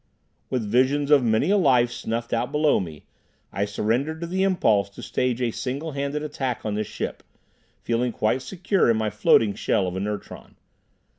With visions of many a life snuffed out below me, I surrendered to the impulse to stage a single handed attack on this ship, feeling quite secure in my floating shell of inertron.